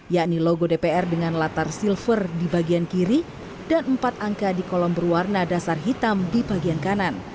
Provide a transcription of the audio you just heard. yakni logo dpr dengan latar silver di bagian kiri dan empat angka di kolom berwarna dasar hitam di bagian kanan